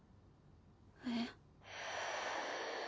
えっ。